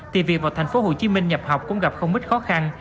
thì việc vào tp hcm nhập học cũng gặp không ít khó khăn